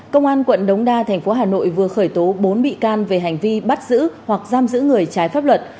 công an quận đống đa thành phố hà nội vừa khởi tố bốn bị can về hành vi bắt giữ hoặc giam giữ người trái pháp luật